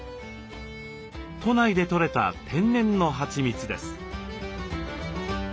都内でとれた天然のはちみつです。